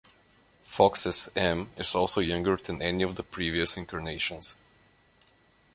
Fox's M is also younger than any of the previous incarnations.